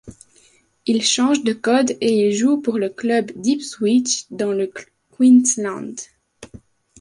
Il change de code et il joue pour le club d'Ipswich dans le Queensland.